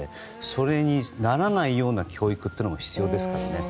それにならないような教育が必要ですよね。